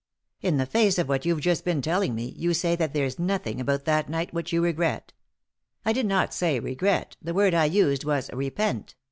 " In the face of what you've just been telling me you say that there's nothing about that night which you regret." "I did not say 'regret'; the word I used was 'repent.'